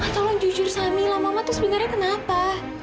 tolong jujur sama mila mama tuh sebenarnya kenapa